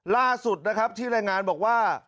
ล่าสุดนะครับที่รายงานบอกว่า